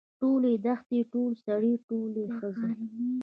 ټولې دښتې ټول سړي ټولې ښځې.